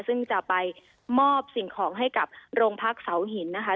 ซึ่งจะไปมอบสิ่งของให้กับโรงพักเสาหินนะคะ